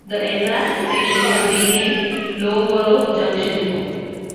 The enlarged station was renamed Loughborough Junction.